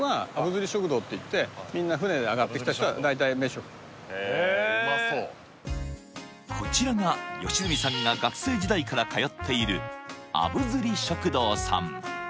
ここがへえうまそうこちらが良純さんが学生時代から通っているあぶずり食堂さん